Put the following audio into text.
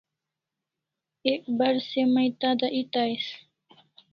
Ek bar se mai tada eta ais